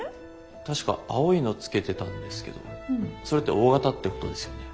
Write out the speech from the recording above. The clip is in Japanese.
確か青いの着けてたんですけどそれってＯ型ってことですよね？